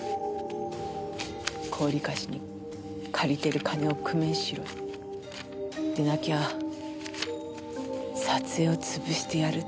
高利貸に借りてる金を工面しろでなきゃ撮影を潰してやるって。